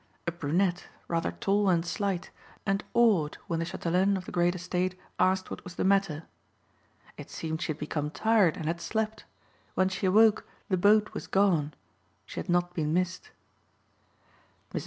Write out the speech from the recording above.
A brunette, rather tall and slight, and awed when the chatelaine of the great estate asked what was the matter. It seemed she had become tired and had slept. When she awoke the boat was gone; she had not been missed. Mrs.